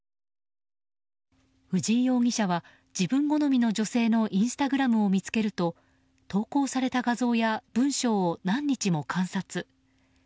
藤井容疑者は自分好みの女性のインスタグラムを見つけると投稿された画像や文章を何日も観察。